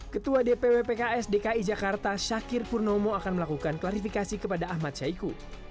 ketua dpw pks dki jakarta syakir purnomo akan melakukan klarifikasi kepada ahmad syahiku